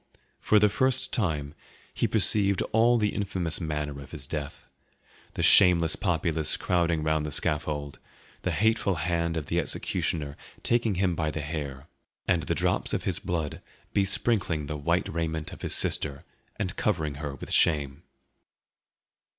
For the first time he perceived all the infamous manner of his death: the shameless populace crowding round the scaffold, the hateful hand of the executioner taking him by the Hair, and the drops of his blood besprinkling the white raiment of his sister and covering her with shame.